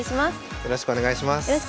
よろしくお願いします。